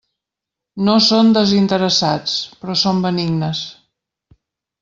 No són desinteressats, però són benignes.